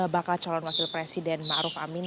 bakal calon wakil presiden maruf amin